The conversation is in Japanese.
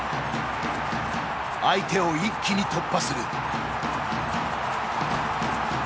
相手を一気に突破する。